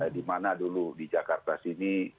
di mana dulu di jakarta sini